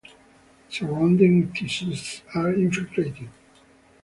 Surrounding tissues are infiltrated.